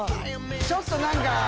ちょっと何か